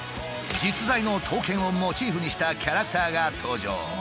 実在の刀剣をモチーフにしたキャラクターが登場。